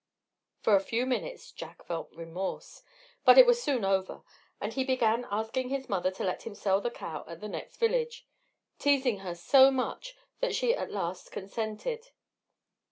For a few minutes Jack felt remorse, but it was soon over; and he began asking his mother to let him sell the cow at the next village; teasing her so much, that she at last consented.